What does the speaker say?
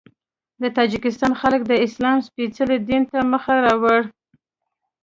د تاجکستان خلک د اسلام سپېڅلي دین ته مخ راوړ.